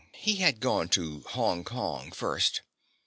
He had gone to Hong Kong first.